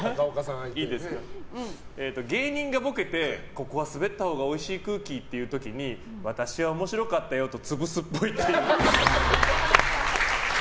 芸人がボケてここはスベったほうがおいしい空気っていう時に私は面白かったよと潰すっぽい。